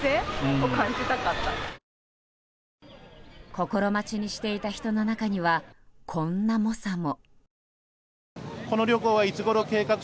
心待ちにしていた人の中にはこんな猛者も。